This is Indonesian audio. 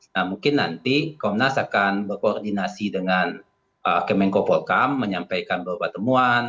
nah mungkin nanti komnas akan berkoordinasi dengan kemenko polkam menyampaikan beberapa temuan